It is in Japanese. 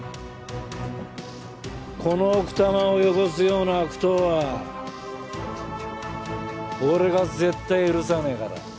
この奥多摩を汚すような悪党は俺が絶対許さねえから。